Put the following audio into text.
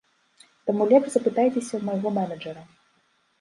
Таму лепш запытайцеся ў майго менеджэра.